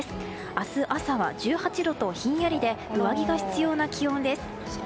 明日朝は１８度と、ひんやりで上着が必要な気温です。